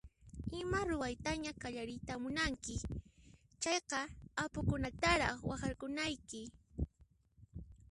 Ima ruwaytaña qallariyta munanki chayqa apukunataraq waqharkunayki.